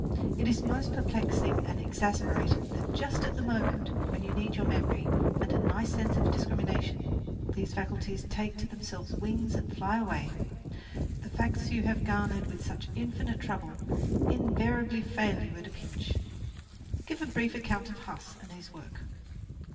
It is most perplexing and exasperating that just at the moment when you need your memory and a nice sense of discrimination, these faculties take to themselves wings and fly away. The facts you have garnered with such infinite trouble invariably fail you at a pinch. "Give a brief account of Huss and his work."